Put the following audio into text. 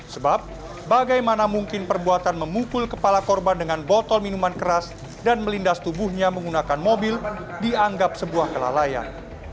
sebab bagaimana mungkin perbuatan memukul kepala korban dengan botol minuman keras dan melindas tubuhnya menggunakan mobil dianggap sebuah kelalaian